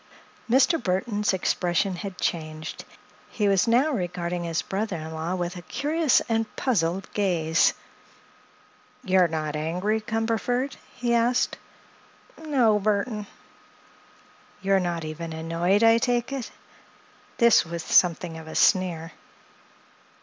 Mr. Burthon's expression had changed. He was now regarding his brother in law with a curious and puzzled gaze. "You're not angry, Cumberford?" he asked. "No, Burthon." "You're not even annoyed, I take it?" This with something of a sneer.